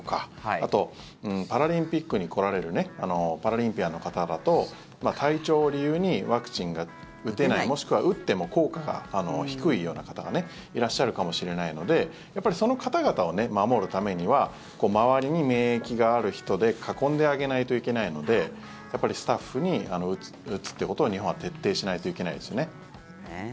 あと、パラリンピックに来られるパラリンピアンの方だと体調を理由にワクチンが打てないもしくは、打っても効果が低いような方がいらっしゃるかもしれないのでやっぱりその方々を守るためには周りに免疫がある人で囲んであげないといけないのでスタッフに打つということを日本は徹底しないといけないですよね。